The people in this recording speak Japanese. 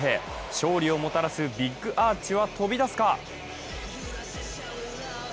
勝利をもたらすビッグアーチは飛び出すか。